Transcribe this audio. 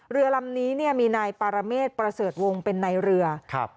เรือลำนี้เนี่ยมีนายปารเมษประเสริฐวงเป็นในเรือครับ